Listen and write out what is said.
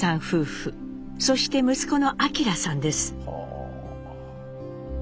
夫婦そして息子の晃さんです。